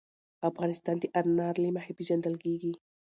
افغانستان د انار له مخې پېژندل کېږي.